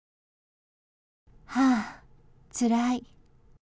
はあ、つらい。